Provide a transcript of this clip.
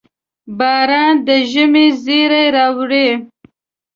• باران د ژمي زېری راوړي.